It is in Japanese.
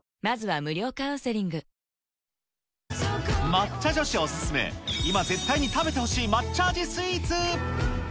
抹茶女子お勧め、今絶対に食べてほしいまっチャージスイーツ。